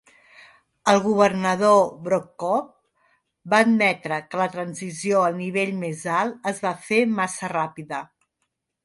El governador Brovko va admetre que la transició al nivell més alt es va fer massa ràpida.